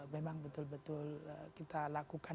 memang betul betul kita lakukan